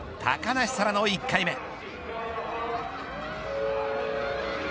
高梨沙羅の１回目。